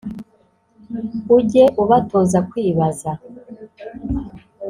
Ujye ubatoza kwibaza